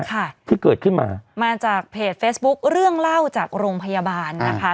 ค่ะที่เกิดขึ้นมามาจากเพจเฟซบุ๊คเรื่องเล่าจากโรงพยาบาลนะคะ